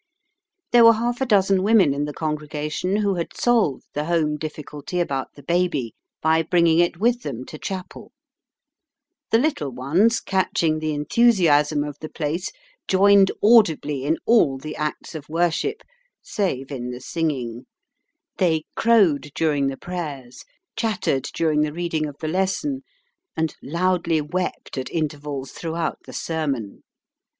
There were half a dozen women in the congregation who had solved the home difficulty about the baby by bringing it with them to chapel. The little ones, catching the enthusiasm of the place, joined audibly in all the acts of worship save in the singing. They crowed during the prayers, chattered during the reading of the lesson, and loudly wept at intervals throughout the sermon.